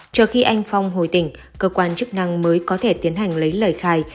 chờ khi anh phong hồi tỉnh cơ quan chức năng mới có thể tiến hành lấy lời khai